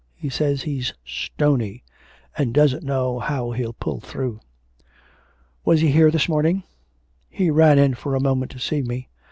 He says he's "stony" and doesn't know how he'll pull through.' 'Was he here this morning?' 'He ran in for a moment to see me....